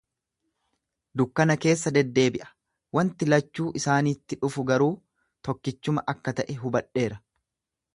dukkana keessa deddeebi'a; wanti lachuu isaaniitti dhufu garuu tokkichuma akka ta'e hubadheera.